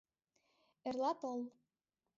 Эрла тол.